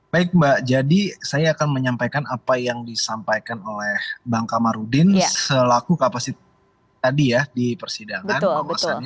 baik mbak jadi saya akan menyampaikan apa yang disampaikan oleh bang kamarudin selaku kapasitas tadi ya di persidangan